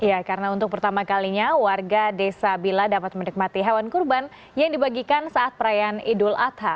ya karena untuk pertama kalinya warga desa bila dapat menikmati hewan kurban yang dibagikan saat perayaan idul adha